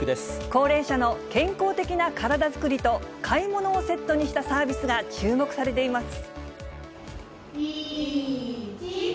高齢者の健康的な体作りと買い物をセットにしたサービスが注目されています。